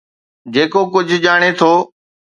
جيڪو ڪجھ ڄاڻي ٿو.